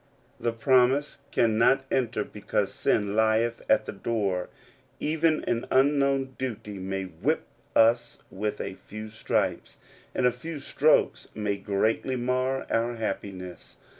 Searching Out the Promise, 113 The promise cannot enter because "sin lieth at the <Ioor/* Even an unknown duty may whip us with '''a few stripes,*' and a few strokes may greatly mar our happiness.